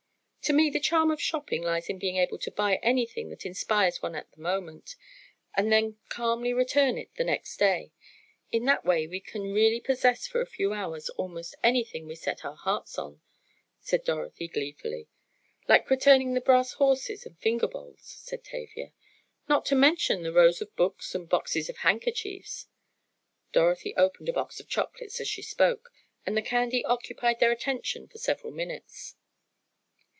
"To me the charm of shopping lies in being able to buy anything that inspires one at the moment, and then calmly return it the next day. In that way, we can really possess for a few hours almost anything we set our hearts on," said Dorothy gleefully. "Like returning the brass horses and finger bowls!" said Tavia. "Not to mention the rows of books and boxes of handkerchiefs," Dorothy opened a box of chocolates as she spoke, and the candy occupied their attention for several minutes.